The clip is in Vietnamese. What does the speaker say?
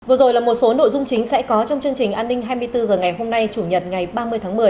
vừa rồi là một số nội dung chính sẽ có trong chương trình an ninh hai mươi bốn h ngày hôm nay chủ nhật ngày ba mươi tháng một mươi